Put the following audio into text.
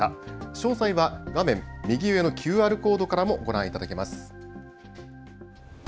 詳細は画面右上のＱＲコードからもご覧いただけます。